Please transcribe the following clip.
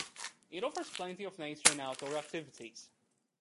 It offers plenty of nature and outdoor activities.